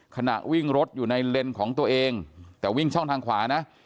ขณะวิ่งรถอยู่ในเลนส์ของตัวเองแต่วิ่งช่องทางขวานะ